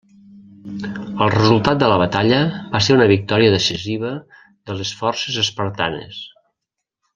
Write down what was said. El resultat de la batalla va ser una victòria decisiva de les forces espartanes.